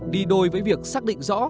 đi đôi với việc xác định rõ